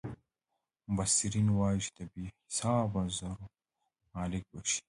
مبصرین یې وايي چې د بې حسابه زرو مالک به شي.